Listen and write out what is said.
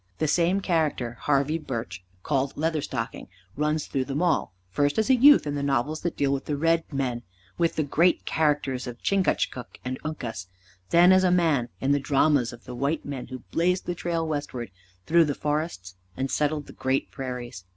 The same character, Harvey Birch, called Leather Stocking, runs through them all, first as a youth in the novels that deal with the red men, with the great characters of Chingachcook and Uncas, then as a man in the dramas of the white men who blazed the trail westward through the forests, and settled the great prairies.